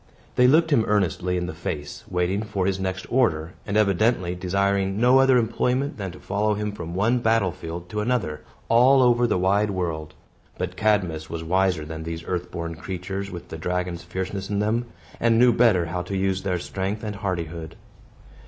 They looked him earnestly in the face, waiting for his next order, and evidently desiring no other employment than to follow him from one battlefield to another, all over the wide world. But Cadmus was wiser than these earth born creatures, with the dragon's fierceness in them, and knew better how to use their strength and hardihood.